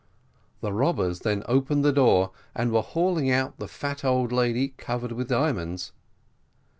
The robbers then opened the door, and were hauling out the fat old lady covered with diamonds.